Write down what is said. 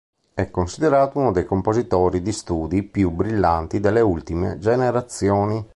È considerato uno dei compositori di studi più brillanti delle ultime generazioni.